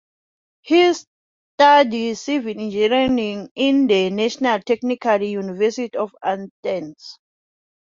He studied civil engineering in the National Technical University of Athens.